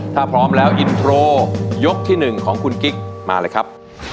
ถ้าพร้อมแล้วอินโทรยกที่๑ของคุณกิ๊กมาเลยครับ